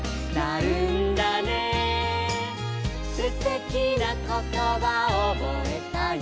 「すてきなことばおぼえたよ」